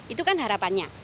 itu kan harapannya